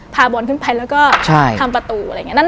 พาบอลขึ้นไปแล้วก็ทำประตูอะไรอย่างนี้